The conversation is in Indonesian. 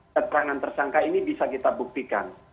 keterangan tersangka ini bisa kita buktikan